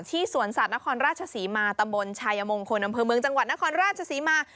ที่สวนสัตว์นครราชสีมาตะบลชายมงค์คนนำพื้นเมืองจังหวัดนครราชสีมา